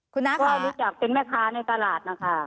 ก็รู้จักเป็นแม่ค้าในตลาดนะคะ